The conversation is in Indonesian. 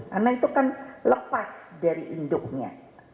karena itu kan lepas dari induknya